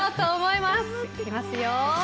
いきますよ！